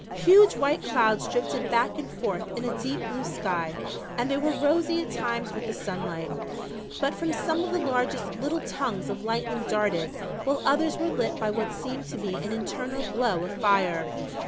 Huge white clouds drifted back and forth in a deep blue sky and they were rosy at times with the sunlight, but from some of the largest little tongues of lightning darted, while others were lit by what seemed to be an internal glow of fire.